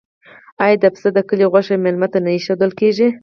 آیا د پسه د کلي غوښه میلمه ته نه ایښودل کیږي؟